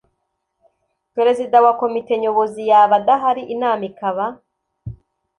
Perezida wa Komite Nyobozi yaba adahari inama ikaba